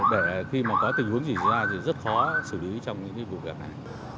để khi mà có tình huống gì ra thì rất khó xử lý trong những vụ việc này